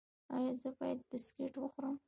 ایا زه باید بسکټ وخورم؟